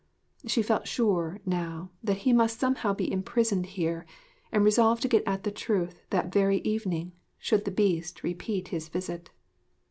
She felt sure, now, that he must somehow be imprisoned here, and resolved to get at the truth that very evening, should the Beast repeat his visit.